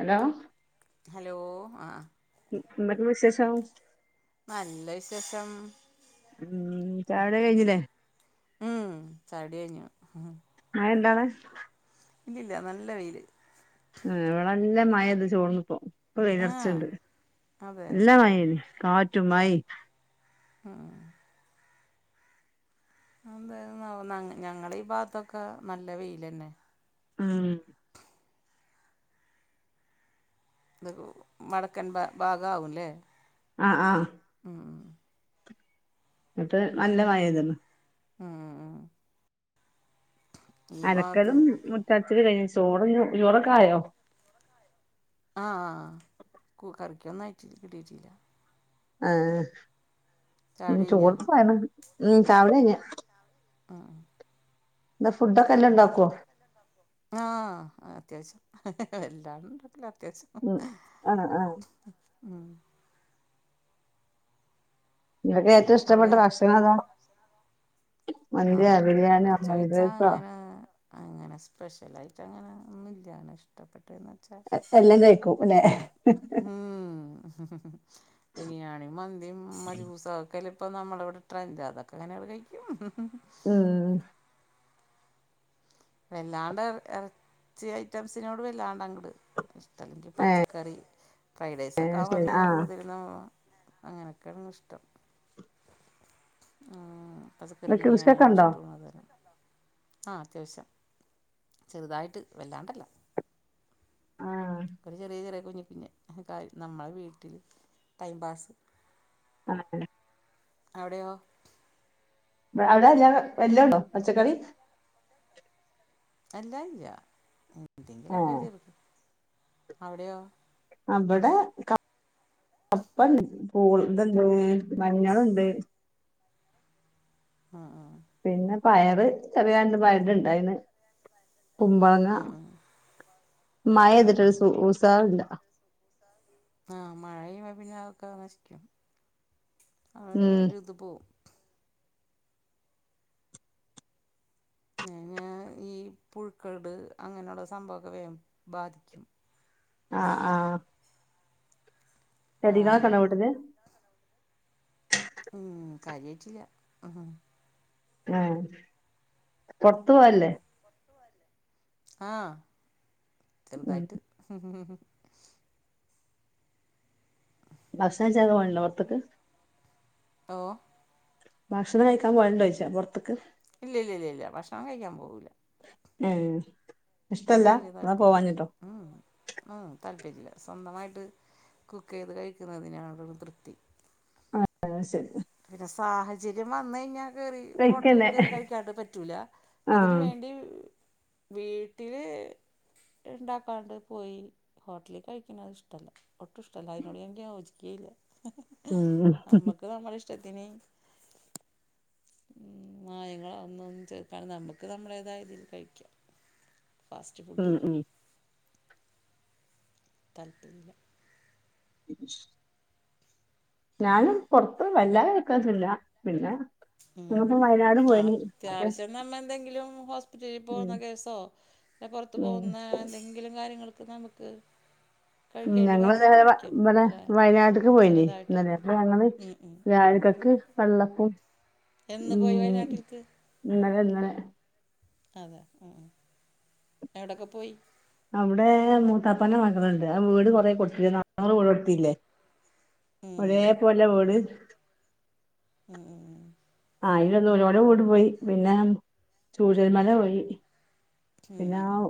Hello hello ആഹ് [unintelligible] എന്തൊക്കെ വിശേഷം നല്ല വിശേഷം ഉം ചായുടി കഴിഞ്ഞില്ലേ ഉം ചായുടി അയ്ഞ്ഞു മയണ്ടോവ്ടെ ഇല്ലില്ല നല്ല വെയില് ഇഹ് ഇവിടെ നല്ല മഴെ ത് ചോർന്ന് പ്പോ ഇപ്പ ആ വെയിലർച്ണ്ട് അതെ നല്ല മഴേന്ന് കാറ്റും മഴിം ആഹ് അ എന്തായന്നാവൊന്നാ ഞങ്ങളീ ഭാഗത്തൊക്കെ നല്ല വെയിലെന്നെ ഉം ത് ഉ വടക്കൻ ഭാ ഭാഗാവുംല്ലേ ആഹ് ആഹ് ഉം ഉം ന്ന്ട്ട് നല്ല മഴേയ്ത്ണ് ഉം ഈ ഭാഗത്ത് അരക്കലും മുറ്റട്ച്ചല് കയ്ഞ് ചോറ് ചോറൊക്കെ ആയോ ആഹ് കു കറിക്കൊന്നായിടട്ട് കിട്ടീട്ടില്ല ആഹ് ചായുടി കഴിഞ്ഞാ നിചോറ്ക്ക് ഉം ചായുട്യേയ്ന് ആഹ് ആഹ് ന്നാ ഫുഡ്ക്കെ എല്ലണ്ടാക്കുവോ ആഹ് അത്യാവശ്യം [unintelligible] വല്ലാണ്ട്ന്നുല്ല അത്യാവശ്യം ഉം ആഹ് ആഹ് ഉം ഇങ്ങക്ക് ഏറ്റോം ഇഷ്ടപ്പെട്ട അവിടെ ഭക്ഷണെതാ ആഹ് അങ്ങനെ ഫ്രൈഡ് ചോയ്ച്ചാ റൈസോ അങ്ങനെ അങ്ങനെ സ്പെഷ്യലായിട്ടങ്ങനെ ഒന്നുല്ലാ ഇഷ്ടപ്പെട്ടത് എന്നൊ എല്ലം കയ്ക്കും അല്ലെ ഉം [unintelligible] ബിരിയാണീം മന്തിം മജ്ബൂസൊക്കെല്ല ഇപ്പ നമ്മളവ്ടെ ട്രെൻറ് അതൊക്കെ അങ്ങനെങ്ങട് കയ്ക്കും [unintelligible] ഉം വല്ലാണ്ട് എറച്ചി ഐറ്റംസിനോട് വല്ലാണ്ട് അങ്ങണ്ട് ഇഷ്ടമല്ല പച്ചക്കറി ഫ്രൈഡ് റൈസൊക്കെ ഏഹ് ശരി ആവുമ്പോപിന്നെ ആഹ് കൂടുതല അങ്ങനെയൊക്കെണ് ഇഷ്ടം ഉം പച്ചക്കറി കൃഷിയൊക്കെ ബിരിയാണിയോട് ഇണ്ടോ ഇഷ്ടാണ് അത ആഹ് അത്യാവശ്യം ചെറ്തായിട്ട് വല്ലാണ്ടല്ല ആഹ് ഒരു ചെറിയ ചെറ്യേ കുഞ്ഞ് കുഞ്ഞ് കാര്യം നമ്മളെ വീട്ടിൽ ടൈം പാസ്സ് ആഹ് ആഹ് അവടെയോ അവടെ [unintelligible] വല്ലണ്ടോ പച്ചക്കറി വല്ലാല്ല എന്തെങ്കിലൊക്കെ ആഹ് ചെർത് അവടെയോ ആഹ് ബടെ കപ്പണ്ട് പൂൾ ഇതണ്ട് മഞ്ഞള്ണ്ട് ആഹ് ആഹ് പിന്നെ പയറ് ചെറ്യേ രണ്ട് പയറ് ണ്ടായീന്ന് കുമ്പളങ്ങ ഉം ഉം മഴേയ്തിട്ടൊരു സു ഉസാറില്ല ആഹ് മഴ പെയ്യുമ്പോ അതൊക്കെ നശിക്കും ആഹ് ഉം ഒര്ത് പോവും [unintelligible] ഈ പുഴുക്കട് അങ്ങനെള്ള സംഭവൊക്കെ വേം ബാധിക്കും ആഹ് ആഹ് മഴ ചെടി കളൊക്കെ ആകുമ്പോഴേ ഉണ്ടോ വീട്ടിൽ ഉം കാര്യായ്ട്ടില്ല ഉം ആഹ് പൊർത്ത് പോവല്ലേ ആഹ് ഉം ചെർതായിട്ട് [unintelligible] ഭസ്ണയ്ച്ചാനൊക്കെ പോല്ണ്ടോ പൊർത്ത്ക്ക് ഓഹ് ഭക്ഷണം കയ്ക്കാൻ പോല്ണ്ടോ ചോയ്ച്ചാ പൊർത്ത്ക്ക് ഇല്ലില്ല ഇല്ല ഭക്ഷണം കയ്ക്കാൻ പോവില്ല ഉം ഇഷ്ടല്ല അതിനോട് വലിയ അതോ താല്പര്യമില്ല പോവാനിട്ടോ ഉം ആഹ് താല്പര്യല്ല സ്വന്തമായിട്ട് കുക്ക് ചെയ്ത് കഴിക്കുന്നതിനാ തൃപ്തി അഹ് ശരി പിന്നെ സാഹചര്യം വന്ന് കഴിഞ്ഞാൽ [unintelligible] ഹോട്ടലില് കഴിക്കന്നെ കേറി കഴിക്കാണ്ട് പറ്റൂല അതിന് ആഹ് വേണ്ടി വീട്ടില് ഉണ്ടാക്കാണ്ട് പോയി ഹോട്ടലിൽ കഴിക്കണത് ഇഷ്ടല്ല ഒട്ടും ഇഷ്ടംമല്ല അതിനോടാങ്കി യോജിക്കയും ഇല്ല ഉം നമ്മക്ക് നമ്മ ഇഷ്ടത്തിന് മ്മ് മായങ്ങളൊ ഒന്നോന്നു ചേർക്കാതെ നമ്മക്ക് നമ്മളേതായ രീതി കഴിക്കാ ഫാസ്റ്റ് ഉം ഫുഡ് താല്പര്യല്ല ഉ [inaudible] ഞാനും പൊറ്ത്ത് വല്ലാതെക്കഴിക്കലോന്ന്ല്ല പിന്നെ ഉം ഞാൻപ്പം വായനാട് ആ പോയ്നീ അപ്പോ അത്യാവശ്യം നമ്മ എന്തെങ്കിലും ഹോസ്പിറ്റലില് പോകുന്ന കേസോ അല്ലേ പൊറത്ത് ഉം പോകുന്ന എന്തെ ങ്കിലും കാര്യങ്ങൾക്ക് നമ്മ്ക്ക് ഉം ഞങ്ങള് ഇന്നലെ വ ഇബടെ അല്ലെ വയനാട്ട്ക്ക് പോയിനി ഇന്നലെ ചെറുതായിട്ടൊക്കെ അപ്പം ഞങ്ങള് ഉം ഉം രാവില്ക്കക്ക് വെള്ളപ്പും എന്ന് പോയി വയനാട്ടിൽക്ക് ഇന്നലെ ഇന്നലെ അതെ ഉം ഉം എവിടൊക്കെ പോയി അവിടെ മൂത്താപ്പൻ്റെ മകള്ണ്ട് ആ വീട് കൊറെ കൊട്ത്തീര്ന്ന് അറ്ന്നൂറ് വീട് കൊട്ത്തില്ലേ ഉം ഒരേ പോലെ വീട് ഉം ഉം അയിലൊന്ന് [unintelligible] ഓലെ വീട് പോയി പിന്നെ ചൂരൽ മല പോയി ഉം പിന്നെ ആ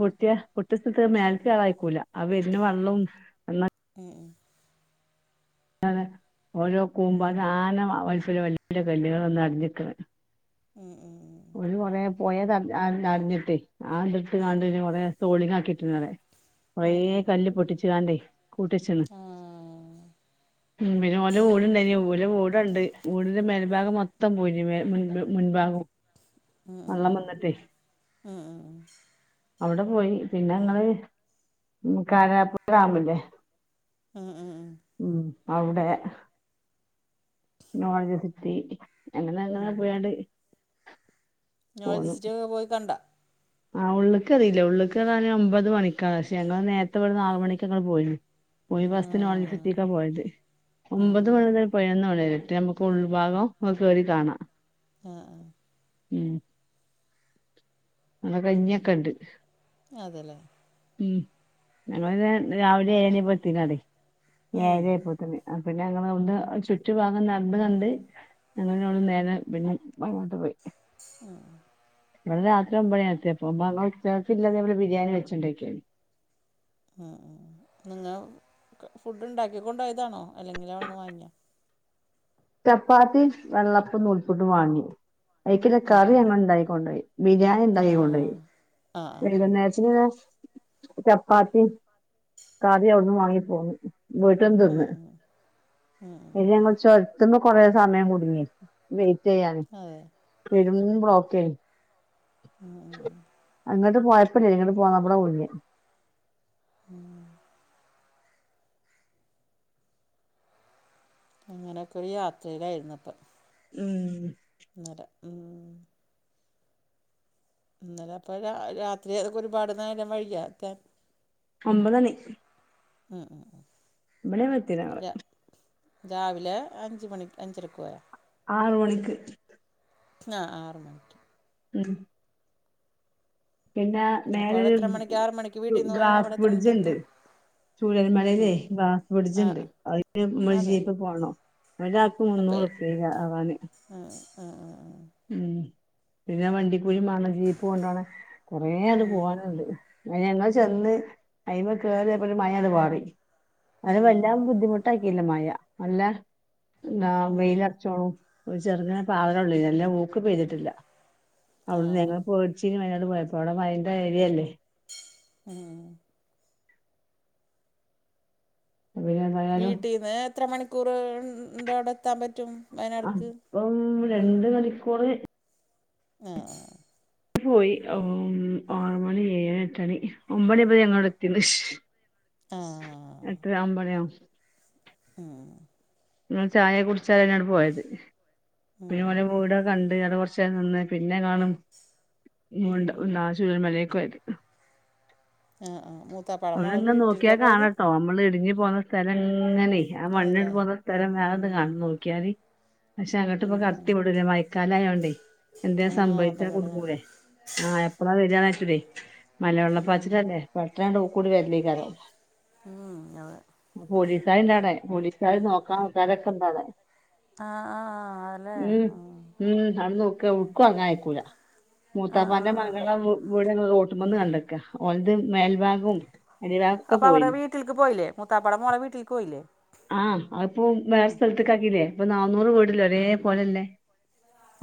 പൊട്ട്യേ പൊട്ട്യ സ്ഥലത്ത് മേലക്ക് കേറായക്കൂല ആ വര്ന വള്ളും ഉം ഉം [unintelligible] ഓരോ കൂമ്പനാന വലിപ്പല്ലേ വല്ല്യകല്ല്കൾ വന്നാ അടിഞ്ഞ്ക്ക്ണെ ഉം ഉം ഉം ഓല് കൊറെ പോയന്നറ [unintelligible] നറഞ്ഞ്ട്ടെ ഉം അത്ട്ട്ക്കാണ്ടോര് കൊറെ ടൊളിങ്ങാക്കിട്ട്ക്ക്ണോവ്ടെ കൊറേ ഉം ഉം ഉം കല്ല് പൊട്ടിച്ച്ക്കാണ്ടെ കൂട്ട്യച്ച്ണ് ആ ഉം പിന്നെ ഓന്റെ വ്ട്ണ്ടായിനി ഓലെ വ്ട്ണ്ട് വ്ടിന്റെ മേൽഭാഗം മൊത്തം പോയിനി ബെ മുൻപ് മുൻഭാഗും വള്ളം വന്ന്ട്ടേ ഉം ഉം അവ്ടെ പോയി പിന്നെ ഞങ്ങള് കാരപ്പുഴ ഡാംല്ലേ ഉം ഉം ഉം ഉം അവ്ടെ നോളജ്‌ സിറ്റി അങ്ങനെങ്ങനാണ്ട് പോയാണ്ട് നോളജ്സിറ്റിയൊക്കെ പോയി കണ്ടാ ആഹ് ഉള്ള്ക്ക് കേറില്ല ഉള്ള്ക്ക് കേറാന് ഒമ്പത് മണിക്കാണ് പക്ഷെ ഞങ്ങള് നേരത്തെ ആറ് മണിക്ക്ങ്ങള് പോയ്ണ് പോയി ആ ഫസ്റ്റ് നോളജ്സിറ്റിക്കാ പോയത് ആ ഒമ്പത് ആ മണി മുതൽ പതിനൊന്ന് മണിവരെറ്റേ നമുക്ക് ഉൾഭാഗം കേറി കാണാം ആഹ് ഉം നല്ല കഞ്ഞിക്കെണ്ട് അതെല്ലേ ഉം ഞങ്ങളോര് രാവിലെ ഏഴ് ണിയപ്പോ എത്തീനാടെ ഉം, ഏഴരായപ്പൊത്തിന് ആഹ് പിന്നെ ഞങ്ങള് അവ്ടെ ചുറ്റുഭാഗം നടന്ന് കണ്ട് ഞങ്ങളോവ്ട്ന്ന് നേരെ പിന്നെ വയനാട്ട് പോയി ഉം ഇബടെ രാത്രി ഒമ്പണ്യായി എത്തിയപ്പോ [unintelligible] ഞങ്ങള് ഉച്ചക്ക്ല്ലത് ബിരിയാണി വെച്ച്ണ്ടോയേക്കേനി ആഹ് നിങ്ങ ഫുഡ് ഉണ്ടാക്കിക്കൊണ്ടോയതാണോ അല്ലെങ്കിൽ അവിടെന്ന് വാങ്യാ ചപ്പാത്തി വെള്ളപ്പം നൂൽപ്പുട്ടും വാങ്ങി അയ്ക്ക്ല്ലേ കറി ഞങ്ങള് ഇണ്ടാക്കിക്കോണ്ടോയി ബിരിയാണി ആ ഇണ്ടാക്കിക്കൊണ്ടോയി ആ ആ ആ. വൈകുന്നേരത്തിന്ള്ളേ ചപ്പാത്തീം കറി അവ്ട്ന്ന് വാങ്ങിപ്പോന്ന് ബീട്ട്ന്ന് ഉം, തിന്ന് ഉം. പിന്നെ ഞങ്ങള് ചൊര്ത്ത്മ്മൽ കൊറെേ സമയം കുടുങ്ങി വെയിറ്റ് ചെയ്യാന് അതെ പെരും ബ്ലോക്കേനി ആഹ് ആഹ് അങ്ങട്ട് പോയപല്യേനി ഇങ്ങട്ട് പോന്നപ്പളാ കുടുങ്ങിയത് ആ അങ്ങനെയൊക്കെ ഒരു യാത്രയിലായിന്നു പ്പം ഉം നര ഉം ഇന്നലെ എപ്പഴാ രാത്രി അതൊക്കെ ഒരുപാട് നേരം വൈകിയോ എത്താൻ ഒമ്പതണി ആഹ് ആഹ് ആഹ് ഇപിടെ വേകം എത്തിണ് ഞങ്ങൾ രാവിലെ അഞ്ച് മണിക്ക് അഞ്ചരക്കോയോ ആറ് മണിക്ക് ആ ആറ് മണിക്ക് ഉം പിന്നെ അപ്പോൾ അവിടെ എത്ര മണിക്ക് ആറ് മണിക്ക് മേലൊരു വീട്ടിൽ നിന്ന് പോയാൽ ഗ്ളാസ് അവിടെ എത്ര മണിക്ക് ബ്രിഡ്ജ്ണ്ട് എത്തും ചൂരൽ മലേല് ഉം. ഗ്ളാസ് ആ ബ്രഡ്ജ്ണ്ട് ആ അതിന് ഞമ്മള് അതെ ജീപ്പ് പോണം ഒരാക് മുന്നൂറു പ്യെ കേറാന് ആഹ് അ ആഹ് ഉം പിന്നെ വണ്ടിക്കൂലി മാണം ജീപ്പ് കൊണ്ടോണ കൊറേ അങ്ങട്ട് ഉം, പോവാനുണ്ട് അയിന് ഞങ്ങൾ ചെന്ന് അയിമ കേറി അപ്പം ഒരു മഴ പാറി അത് ഉം, വല്ലാ ബുദ്ധിമുട്ടാക്കിയില്ല മയ അല്ല എന്നാ ഉം. വെയിലറച്ചോണുംഒരു ചെറ്ങ്ങനെ പാറലൊള്ളേനി വല്ലാതെ ഊക് പെയ്തിട്ടില്ല അവിട്ന്ന് ആഹ് ഞങ്ങള് പേടിച്ചീനിം വയനാട് പോയപ്പം അവിടെ മഴന്റെ ഏരിയല്ലേ ആഹ് പിന്നെ എന്തായാലും വീട്ടീന്ന് എത്ര മണിക്കൂറോണ്ട് അവിടെ എത്താൻ പറ്റും വയനാട്ക്ക് അപ്പം രണ്ട് മണിക്കൂറ് ആ ആ പോയി ആറ് മണി ഏഴു മണി എട്ട് മണി ഒമ്പണി് ആയപം ഞങ്ങളവിടെതിണ് ആഹ് എട്ടര ഒൻപണിയാവും ഉം ചായൊകെ കുടിച്ചേരേണ് പോയത് പിന്നെ ഓലെ ഉം വീടൊകെ കണ്ട് അവിടെ കൊർ ചെന്ന് പിന്നെ കാണും ഉം ചൂരൽ മലേകോയത് ആ ആ ആ അവടിന്ങ്ങനെ നോക്ക്യാ കാണട്ടോ നമ്മള് ഇടിങ്ങി പോന്ന സ്ഥലങ്ങനെ ആ മണ്ണിട് അതല്ലേ പോന്ന ഉം സ്ഥലം വേറൊന്ന് കാണാ നോക്കിയാല് പക്ഷെ അങ്ങട്ട് ഉം ഇപ്പം ഉം ഉം കടത്തി വിടൂല മയക്കാലായോണ്ടേ എന്തേ ആഹ് സംഭവിച്ചാ അപകടങ്ങളല്ലേ കുടുങ്ങൂലേ ആ എപ്പളാ വരാപറ്റൂലെ ഉം മഴവെള്ളപ്പാച്ചിലല്ലേ പെട്ടനെഅങ്ങട്ട് ഊക്കൂടി വരലയ്കാരം ഉം അതെ പോലീസാര്ണ്ടാടെ പോലീസാര് നോക്കാനും നാട്ടാരൊകെണ്ടാടെ ആഹ് ആഹ് അതല്ലേ ഉം ആഹ് ഉം അവ്ട്ന്ന് നോക്കാവും ഓടുക്കുംഅറങ്ങാൻ അയക്കൂല ആഹ് മൂത്താപ്പന്റെ ആഹ് മകളെ വീട് ഞങ്ങൾ റോട്ടിമ്മന്ന് കണ്ട്കാ ഓൽത് മേൽഭാഗും അപ്പ അവിടെ വീട്ടിൽക്ക് പോയില്ലേ മുത്താപ്പാടെ മോളെ വീട്ടിൽക്ക് പോയില്ലേ ആഹ് അതിപ്പോ വേറെ സ്ഥലത്ത്ക്കാക്കിലേ ഇപ്പൊ നന്നൂറ് വീടീല്ലേ ഒരേ പോലെള്ളെ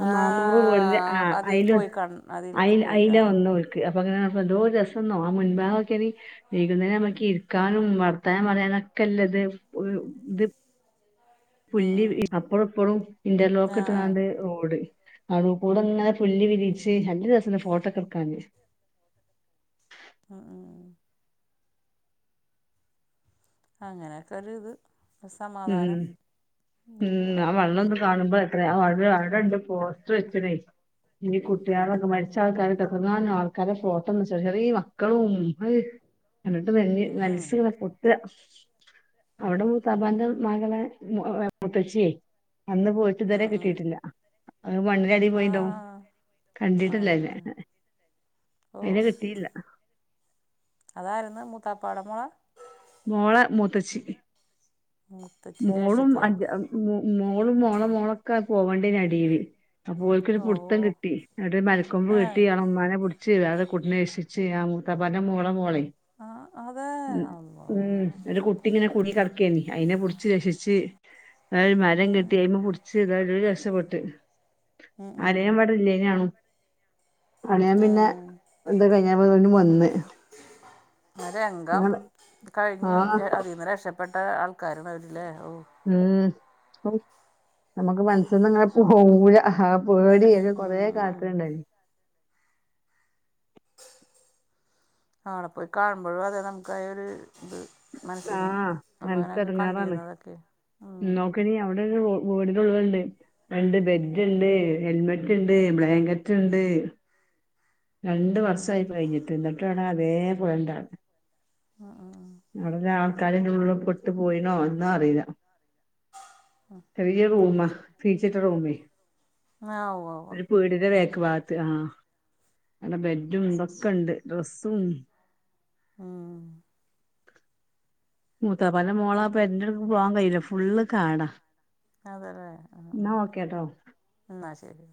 ആ നാന്നൂറ് വീടിൽ ആ ആഹ് അതീ അയിൽ പോയി കൺ അതിൽക്ക് പോയി അയിൽ ആഹ് ഒന്ന് ഓൽ അപം അങ്ങനെ എന്തോര് രസന്നോ മുൻഭാഗം നോക്യാണി വൈകുന്നേരാവുംമ്പക്കി ഇരികാനും വർതാനം പറ്യാനും ഒക്കല്ലത് ഒരു ത് പുല്ല് ഉം അപ്പറോം ഇപ്പറോ ആഹ് ഇന്റർലോക്ക്‌ട്ട്ങ്ങാണ്ട് റോഡ് നടൂകൂടെങ്ങെനെ പുല്ല് വിരിച്ച് നല്ലരെസണ്ട് ഫോട്ടോക്കെ ഇട്ക്കാന്. അഹ് ആഹ് അങ്ങനെക്കോര്ത് ഒര് ഉം സമാധാനം വീഡിയോകളൊക്കെ കിട്ടി. ആഹ് അടെണ്ട് പോസ്റ്റർ വെച്ചിണെ ഇനി കുട്ടികളൊക്കെ മരിച്ച ആൾക്കാരട്ടഎത്രെണ്ണാ ആൾക്കാരെ ഫോട്ടന്ന് ചെറി ചെറീയ മക്കളും അയ്. എന്നിട്ട് തെങ്ങി ഉം മനസ്ങ്ങെനെ പൊട്ട അവിടെ മൂത്താപ്പാന്റെ മകളെ മുത്തച്ചിയേ അന്ന് പോയിട്ട് ഇതരെ ഉം ഉം കിട്ടിട്ടില്ല. അത് മണ്ണിലടി പോയിട്ട്ണ്ടാകും ആഹ് കണ്ടിട്ടല്ലെയ്നെ അതന്നെ ഓ അയിന കിട്ടീല്ല. അതാരാരുന്നു മൂത്താപ്പാടമോള? മോള മൂത്തച്ചി. മൂത്തച്ചി മോളും ജേഷ്ഠത്തിയാ അഞ്ചാ മ് മോ മോളും മോളേ മോളൊക്കെ പോവണ്ട്യേനി അടീല്. അപ്പോൽക്കൊരു ഓ പ്ടുത്തം കിട്ടി ആടെ മൽക്കൊമ്പ് ഏഹ് കിട്ടി അഉമ്മാനെ പിട് ചിലരെ കുട്ടിനേക്ഷിച്ച് ആമൂതാപ്പാന്റെ മോള മോളെ. ആഹ് അതെ ഉ അള്ളാ ഉം ഒര് കുട് ട്ടിങ്ങനെ കുടിങ്ങി കെടക്കേനു അയിനെ പിടിച്ച് രക്ഷിച്ച് മരം കെട്ടി അയിമ രക്ഷപെട്ട് ഉം ഉം ഉം ആരേം വെടെ ഇല്ലേയ്നോ. അണിയാൻ പിന്നെ ആഹ് അത് കഴിഞ്ഞപ്പെതിനു വന്ന്. ഒരംഗം കഴിഞ്ഞ് ആഹ് അതീന്ന് രെക്ഷ പെട്ട ആൾക്കാരാണവരില്ലേ ഓഹ്. ഉം ഹൗ നമുക്ക് മനസിന്ന് ഇങ്ങെനെ പോവൂല. പേടി എനി കൊറേ ഉം കാൽത്തന്ണ്ടായ്നു. ആട പോയി കാണുമ്പോഴും അതെ നമുക്ക് ആഹ് ഒരു ഇത് മനസ്സിൽ നിന്ന് ആഹ് നമ്മൾ അങ്ങനെയൊക്കെ മനസ്സടെങ്ങേറാണ് കണ്ടിരുന്നതൊക്കെ നോക്കനി അവിടെ നി ഓടിനുള്ളത്ണ്ട് രണ്ട് ബെഡ്ഡ്ണ്ട് ഹെൽമെറ്റ്ണ്ട് ബ്ലാങ്കറ്റ്ണ്ട്. രണ്ട് വർഷായിപ്പോഴിഞ്ഞിട്ട് എന്നിട്ടാടാ അതേ പോലെണ്ടാട. അഹ് ആഹ് ആഹ് അവിടെള്ള ആൾക്കാരെ ഉള്ളിൽ പെട്ടു പോയിണോ എന്നൊന്നും അറിയില വെല്യ റൂമാ ഫീസിറ്റർ റൂമെ ആഹ് ഓ് ആഹ് വീടിന്റെ വേക്ക് ഭാഗത്ത് ആഹ് നല്ല ബെഡ്ഡും ഇതൊക്കെണ്ട് ഡ്രസ്സും ആഹ് മൂത്താപ്പാന്റെ മോളാപെരെന്റെ അടുത്തേക്ക് പോവാൻ കഴിയൂല ഫുള്ള് കാടാ. അതെലേ ആഹ് എന്നാ ആഹ് ഓക്കേട്ടോ എന്നാ ശെരി.